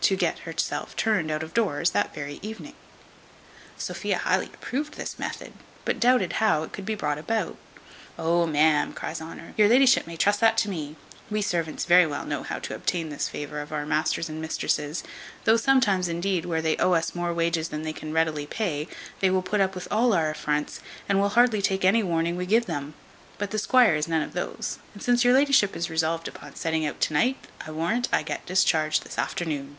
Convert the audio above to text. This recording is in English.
to get herself turned out of doors that very evening. Sophia highly approved this method, but doubted how it might be brought about. "O, ma'am," cries Honour, "your la'ship may trust that to me; we servants very well know how to obtain this favour of our masters and mistresses; though sometimes, indeed, where they owe us more wages than they can readily pay, they will put up with all our affronts, and will hardly take any warning we can give them; but the squire is none of those; and since your la'ship is resolved upon setting out to night, I warrant I get discharged this afternoon."